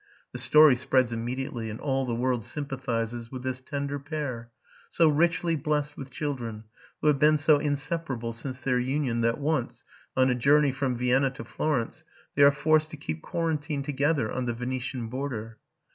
The story spreads immediately ; and all the world sy mpathizes with this tender pair, so richly blessed with children, who have been so insep arable since their union, that once, on a journey from Vienna to Florence, they are forced to keep quarantine together on the Venetian border.